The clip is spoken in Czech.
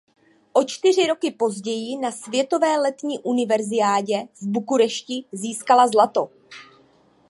O čtyři roky později na světové letní univerziádě v Bukurešti získala zlato.